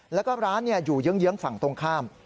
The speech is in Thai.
แล้วก็ร้านอยู่เยื้องฝั่งตรงข้าม